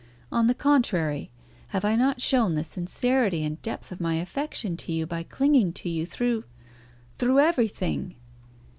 On the contrary, have I not shown the sincerity and depth of my affection to you by clinging to you through through everything?"